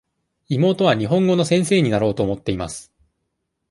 妹は日本語の先生になろうと思っています。